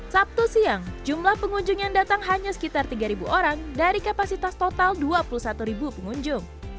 sabtu siang jumlah pengunjung yang datang hanya sekitar tiga orang dari kapasitas total dua puluh satu pengunjung